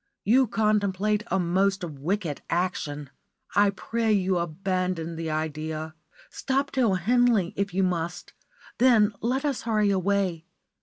You contemplate a most wicked action. I pray you abandon the idea. Stop till Henley, if you must; then let us hurry away.